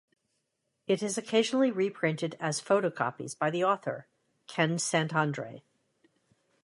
It is occasionally reprinted as photocopies by the author, Ken Saint Andre.